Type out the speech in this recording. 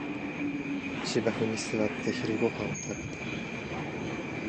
芝生に座って昼ごはんを食べた